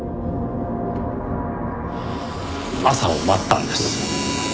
朝を待ったんです。